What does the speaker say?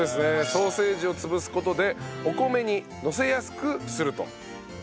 ソーセージを潰す事でお米にのせやすくすると。